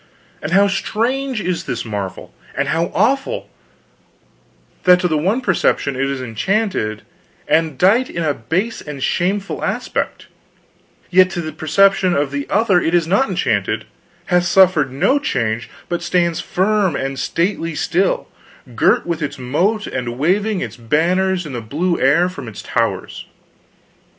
"And how strange is this marvel, and how awful that to the one perception it is enchanted and dight in a base and shameful aspect; yet to the perception of the other it is not enchanted, hath suffered no change, but stands firm and stately still, girt with its moat and waving its banners in the blue air from its towers.